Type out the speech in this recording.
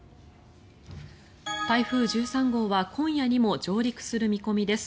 台風１３号は今夜にも上陸する見込みです。